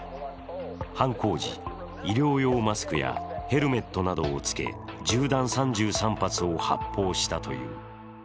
犯行時、医療用マスクやヘルメットなどをつけ銃弾３３発を発砲したという。